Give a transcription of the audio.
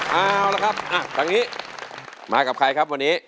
เอาละครับทางนี้มากับใครครับวันนี้